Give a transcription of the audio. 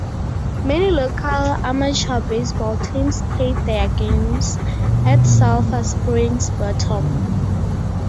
Many local amateur baseball teams played their games at Sulphur Springs Bottom.